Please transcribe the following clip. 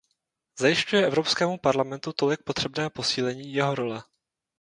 Zajišťuje Evropskému parlamentu tolik potřebné posílení jeho role.